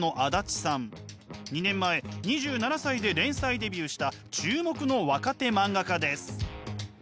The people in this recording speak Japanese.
２年前２７歳で連載デビューした注目の若手漫画家です。